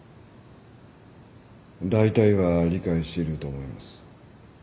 だいたいは理解していると思います。